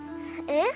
えっ？